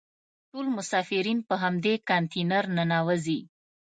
ټول مسافر په همدې کانتینر ننوزي.